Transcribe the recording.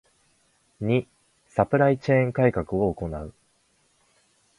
ⅱ サプライチェーン改革を行う